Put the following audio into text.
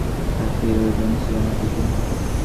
স্থির চোখে নিসার আলির দিকে তাকিয়ে রইলেন।